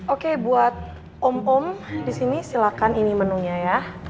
oke buat om om di sini silahkan ini menunya ya